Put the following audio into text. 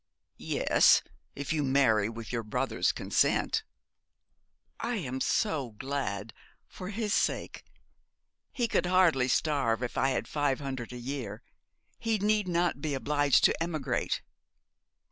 'Yes; if you marry with your brother's consent.' 'I am so glad for his sake. He could hardly starve if I had five hundred a year. He need not be obliged to emigrate.'